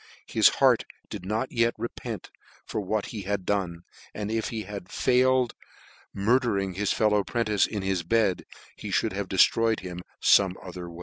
his heart did not yet re ' c lent for what he had done, and if he had failed of murdering his fellow 'prentice in his bed, he <c fhould have dejftroyed him fome other way."